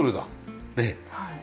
はい。